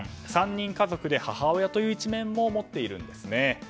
３人家族で母親という一面も持っているんですね。